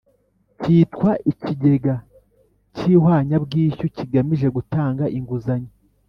cyitwa Ikigega cy ihwanyabwishyu kigamije gutanga inguzanyo